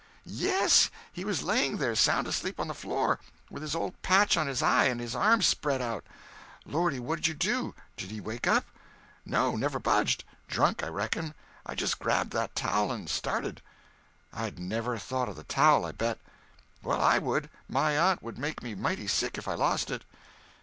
"Yes! He was lying there, sound asleep on the floor, with his old patch on his eye and his arms spread out." "Lordy, what did you do? Did he wake up?" "No, never budged. Drunk, I reckon. I just grabbed that towel and started!" "I'd never 'a' thought of the towel, I bet!" "Well, I would. My aunt would make me mighty sick if I lost it."